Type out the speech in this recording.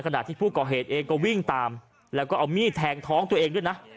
ขณะที่ผู้ก่อเหตุเองก็วิ่งตามแล้วก็เอามีดแทงท้องตัวเองด้วยนะ